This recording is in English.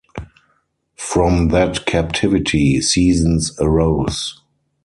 From that captivity, seasons arose.